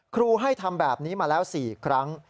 ครูให้ทำแบบนี้มาแล้ว๔ครั้ง